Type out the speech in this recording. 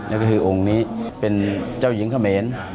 นี่คือองค์นี้เป็นเจ้าหญิงเขมร